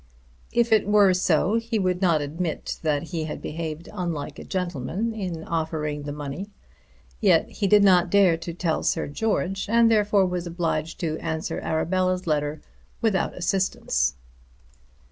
If it were so he would not admit that he had behaved unlike a gentleman in offering the money. Yet he did not dare to tell Sir George, and therefore was obliged to answer Arabella's letter without assistance.